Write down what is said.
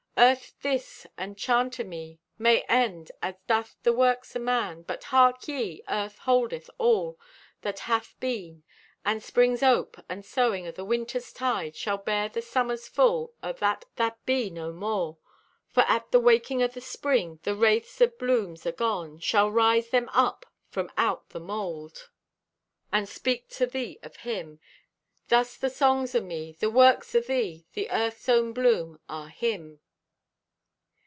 Earth, this, the chant o' me, May end, as doth the works o' man, But hark ye; Earth holdeth all That hath been; And Spring's ope, and sowing O' the Winter's tide, Shall bear the Summer's full Of that that be no more. For, at the waking o' the Spring, The wraiths o' blooms agone Shall rise them up from out the mould And speak to thee of Him. Thus, the songs o' me, The works o' thee, The Earth's own bloom, Are HIM.